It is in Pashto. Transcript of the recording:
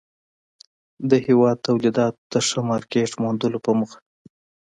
د هېواد توليداتو ته ښه مارکيټ موندلو په موخه